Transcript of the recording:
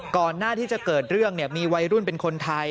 ก่อนหน้าที่จะเกิดเรื่องมีวัยรุ่นเป็นคนไทย